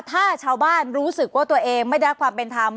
ถ้าชาวบ้านรู้สึกว่าตัวเองไม่ได้รับความเป็นธรรม